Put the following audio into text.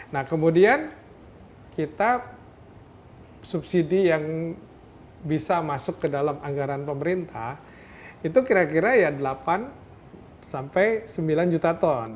nah kemudian kita subsidi yang bisa masuk ke dalam anggaran pemerintah itu kira kira ya delapan sampai sembilan juta ton